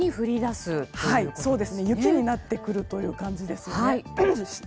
雪になってくるという感じです。